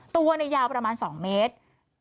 ตัวยาวประมาณ๒เมตร